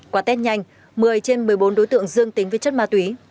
qua test nhanh một mươi trên một mươi bốn đối tượng dương tính với chất ma túy